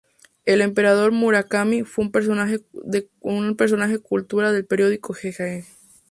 El Emperador Murakami fue un personaje cultura del período Heian.